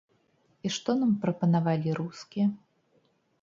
І што нам прапанавалі рускія?